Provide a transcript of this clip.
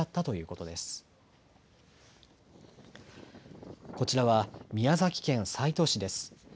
こちらは宮崎県西都市です。